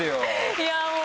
いやぁもう。